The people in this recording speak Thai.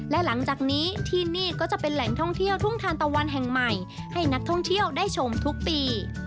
และหลังจากนี้ที่นี่ก็จะเป็นแหล่งท่องเที่ยวทุ่งทานตะวันแห่งใหม่ให้นักท่องเที่ยวได้ชมทุกปี